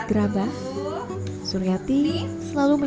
tidak bisa dibawa dari seteja puluh depan